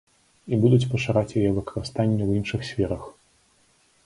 І будуць пашыраць яе выкарыстанне ў іншых сферах.